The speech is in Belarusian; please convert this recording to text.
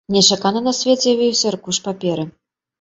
Нечакана на свет з'явіўся аркуш паперы.